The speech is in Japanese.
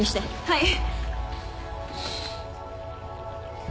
はい。